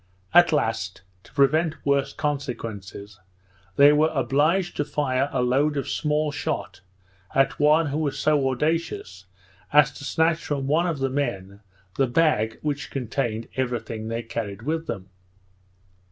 At last, to prevent worse consequences, they were obliged to fire a load of small shot at one who was so audacious as to snatch from one of the men the bag which contained every thing they carried with them.